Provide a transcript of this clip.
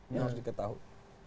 yang harus diketahui